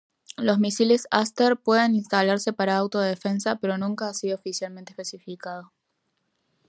Los misiles Aster pueden instalarse para autodefensa, pero nunca ha sido oficialmente especificado.